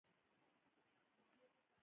کله چې ذهن آزاد شي، نوې نړۍ زېږي.